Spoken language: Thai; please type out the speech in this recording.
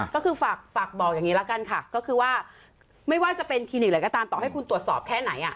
ก็คือฝากบอกอย่างนี้ละกันค่ะก็คือว่าไม่ว่าจะเป็นคลินิกอะไรก็ตามต่อให้คุณตรวจสอบแค่ไหน